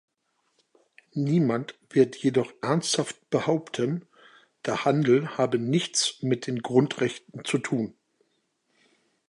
Niemand wird jedoch ernsthaft behaupten, der Handel habe nichts mit den Grundrechten zu tun.